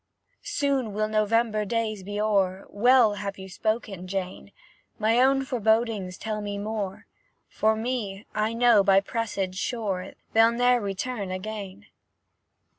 "'Soon will November days be o'er:' Well have you spoken, Jane: My own forebodings tell me more For me, I know by presage sure, They'll ne'er return again.